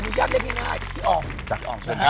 จริงแล้วมสด่ำเนี่ย